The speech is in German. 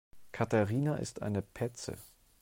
Katharina ist eine Petze.